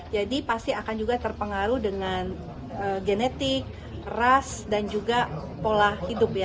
jadi pasti akan juga terpengaruh dengan genetik ras dan juga pola hidup